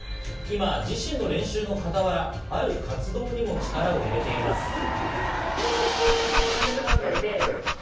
今、自身の練習の傍ら、ある活動にも力を入れています。